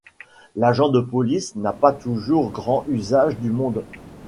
L’agent de police n’a pas toujours grand usage du monde.